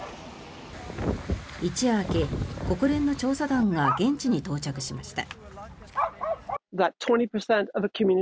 一夜明け、国連の調査団が現地に到着しました。